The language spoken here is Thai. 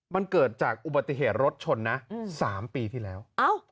มันเกิดจากอุบัติเหตุรถชนนะอืมสามปีที่แล้วเอา